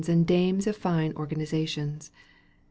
And dames of fine organisations.